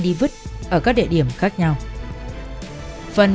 tiếp đó kéo nạn nhân vào nhà tắm